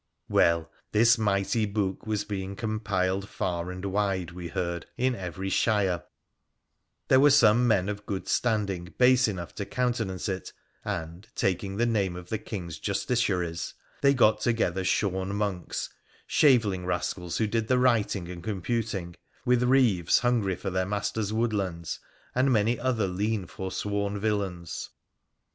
Well, this mighty book was being compiled far and wide, we heard, in every shire : there were some men of good stand ing base enough to countenance it, and, taking the name of the King's justiciaries, they got together shorn monks — shaveling rascals who did the writing and computing — with reeves hungry for their masters' woodlands, and many other lean forsworn villains.